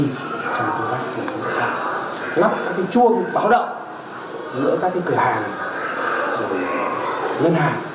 nắp các chuông báo động giữa các cửa hàng và ngân hàng